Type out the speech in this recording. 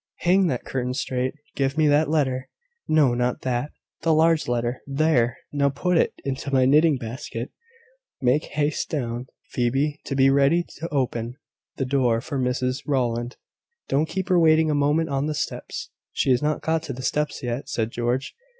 Hang that curtain straight. Give me that letter, no, not that, the large letter. There! now put it into my knitting basket. Make haste down, Phoebe, to be ready to open the door for Mrs Rowland. Don't keep her waiting a moment on the steps." "She has not got to the steps yet," said George.